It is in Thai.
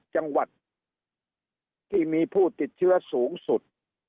จังหวัดที่มีผู้ติดเชื้อสูงสุด